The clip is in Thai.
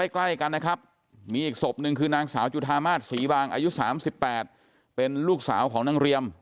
ใกล้กันนะครับมีอีกศพหนึ่งคือนางสาวจุธามาศศรีบางอายุ๓๘เป็นลูกสาวของนางเรียม